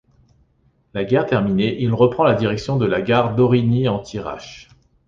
La guerre terminée, il reprend la direction de la gare d'Origny-en-Thiérache.